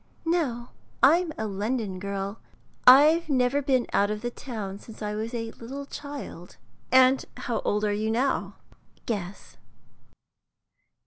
"No, I'm a London girl. I've never been out of the town since I was a little child." "And how old are you now?" "Guess."